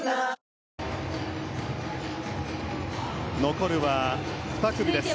残るは２組です。